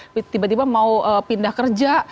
tiba tiba mau pindah kerja